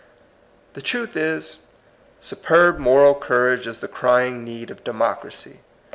The truth is, superb moral courage is the crying need of democracy.